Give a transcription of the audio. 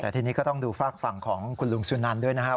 แต่ทีนี้ก็ต้องดูฝากฝั่งของคุณลุงสุนันด้วยนะครับ